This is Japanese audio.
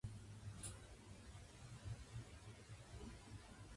ごんは誰にも見つからないよう慎重に家へ近づき、そっと戸口に栗を置いて足早に森の中へ戻りました。